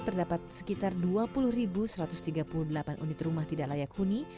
terdapat sekitar dua puluh satu ratus tiga puluh delapan unit rumah tidak layak huni